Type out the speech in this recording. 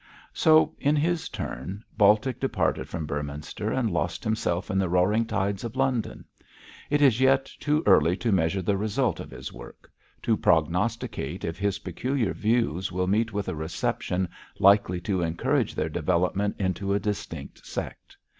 So, in his turn, Baltic departed from Beorminster, and lost himself in the roaring tides of London. It is yet too early to measure the result of his work; to prognosticate if his peculiar views will meet with a reception likely to encourage their development into a distinct sect.